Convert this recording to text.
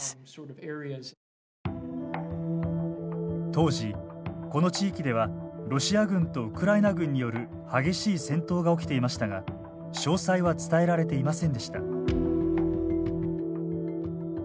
当時この地域ではロシア軍とウクライナ軍による激しい戦闘が起きていましたが詳細は伝えられていませんでした。